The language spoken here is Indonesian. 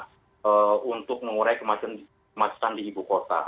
untuk mengurai kemacetan di ibu kota